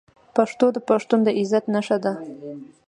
پښتو د پښتون د عزت نښه ده.